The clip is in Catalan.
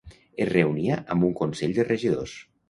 Es reunia amb un consell de regidors.